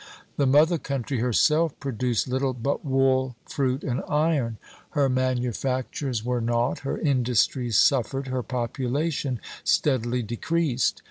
The mother country herself produced little but wool, fruit, and iron; her manufactures were naught; her industries suffered; her population steadily decreased.